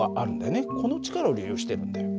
この力を利用してるんだよ。